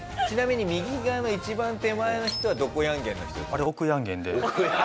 ちなみに右側の一番手前の人はどこヤンゲンの人ですか？